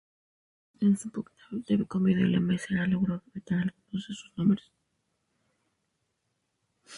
En su pugna con Videla, Massera logró vetar algunos de estos nombres.